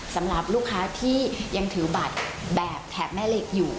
สำหรับลูกค้าที่ยังถือบัตรแบบแถบแม่เหล็กอยู่